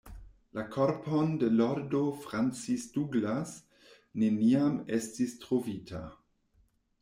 La korpon de Lordo Francis Douglas neniam estis trovita.